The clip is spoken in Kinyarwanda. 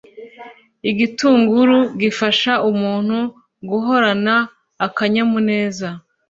Igitunguru gifasha umuntu guhorana akanyamuneza